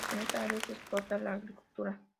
En esta área se explota la agricultura.